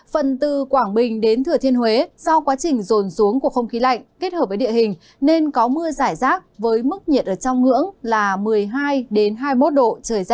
phần từ quảng bình đến thừa thiên huế do quá trình rồn xuống của không khí lạnh kết hợp với địa hình nên có mưa giải rác với mức nhiệt ở trong ngưỡng là một mươi hai hai mươi một độ